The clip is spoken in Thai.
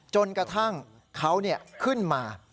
จนกระทั่งเขาเนี่ยขึ้นมา